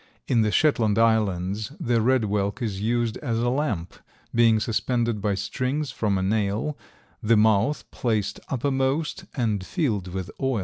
In the Shetland Islands the red whelk is used as a lamp, being suspended by strings from a nail, the mouth placed uppermost and filled with oil.